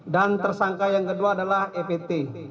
dan tersangka yang kedua adalah ept